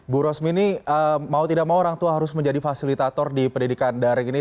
bu rosmini mau tidak mau orang tua harus menjadi fasilitator di pendidikan daring ini